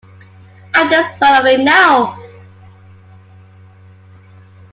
I’ve just thought of it now.